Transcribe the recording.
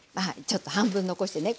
ちょっと半分残してね